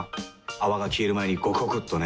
泡が消える前にゴクゴクっとね。